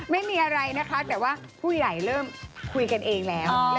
ไม่มีอะไรนะคะแต่ว่าผู้ใหญ่เริ่มคุยกันเองแล้ว